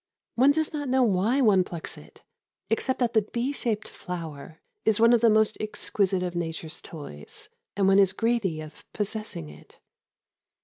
One does not know why one plucks it, except that the bee shaped flower is one of the most exquisite of Nature's toys, and one is greedy of possessing it.